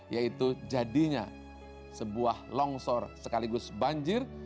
yaitu jadinya sebuah longsor sekaligus banjir